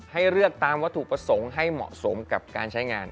ให้เลือกตามวัตถุประสงค์ให้เหมาะสมกับการใช้งาน